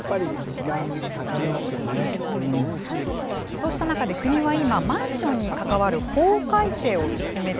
そうした中で国は今マンションに関わる法改正を進めています。